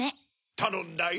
たのんだよ。